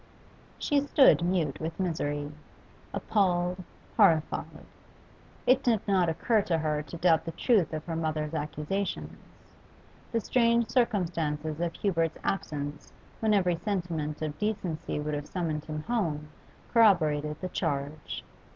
She stood mute with misery, appalled, horrified. It did not occur to her to doubt the truth of her mother's accusations; the strange circumstance of Hubert's absence when every sentiment of decency would have summoned him home corroborated the charge.